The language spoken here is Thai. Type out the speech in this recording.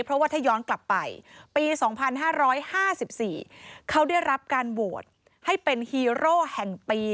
เพราะว่าถ้าย้อนกลับไปปี๒๕๕๔เขาได้รับการโหวตให้เป็นฮีโร่แห่งปี